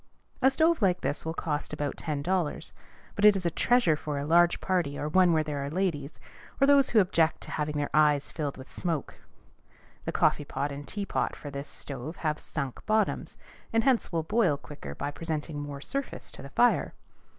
A stove like this will cost about ten dollars; but it is a treasure for a large party or one where there are ladies, or those who object to having their eyes filled with smoke. The coffee pot and tea pot for this stove have "sunk bottoms," and hence will boil quicker by presenting more surface to the fire.